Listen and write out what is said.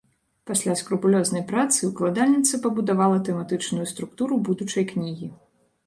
Пасля скрупулёзнай працы ўкладальніца пабудавала тэматычную структуру будучай кнігі.